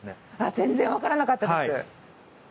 全然わからなかったです。